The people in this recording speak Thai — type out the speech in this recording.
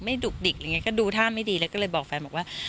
ดุกดิกอะไรอย่างนี้ก็ดูท่าไม่ดีแล้วก็เลยบอกแฟนบอกว่า